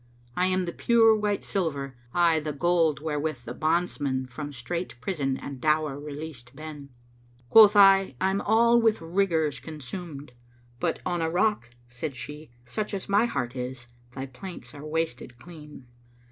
I am the pure white silver, ay, and the gold wherewith The bondsmen from strait prison and dour releasčd been.' Quoth I, 'I'm all with rigours consumed;' but 'On a rock,' Said she, 'such as my heart is, thy plaints are wasted clean.'